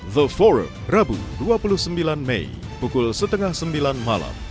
the for rabu dua puluh sembilan mei pukul setengah sembilan malam